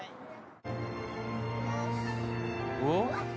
「おっ？